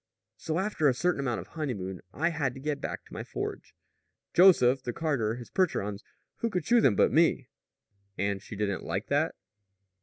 "So after a certain amount of honeymoon I had to get back to my forge. Joseph the carter, his Percherons; who could shoe them but me?" "And she didn't like that?"